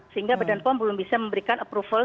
sehingga badan pom belum bisa memberikan approval